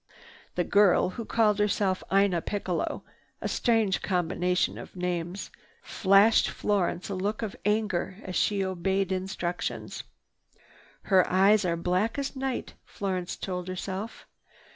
The girl, who called herself Ina Piccalo (a strange combination of names) flashed Florence a look of anger as she obeyed instructions. "Her eyes are black as night," Florence told herself.